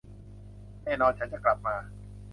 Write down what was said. แน่นอน ฉันจะกลับมา